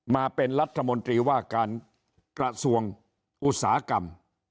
มาเป็นรัฐมนตรีว่าการกระทรวงอุตสาหกรรม